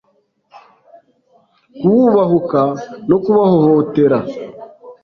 kububahuka no kubahohotera